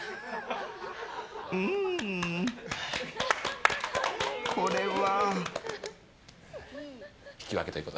うーん、これは。